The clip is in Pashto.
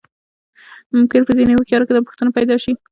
ممکن په ځينې هوښيارو کې دا پوښتنه پيدا شي.